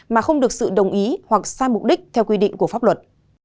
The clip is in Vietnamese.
mà không được sự đồng ý hoặc sai mục đích theo quy định của pháp luật